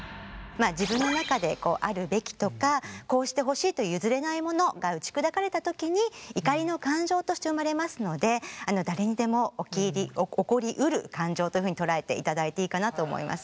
自分の中でこうあるべきとかこうしてほしいという譲れないものが打ち砕かれたときに怒りの感情として生まれますので誰にでも起こりうる感情というふうに捉えていただいていいかなと思います。